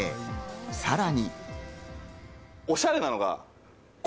さらに。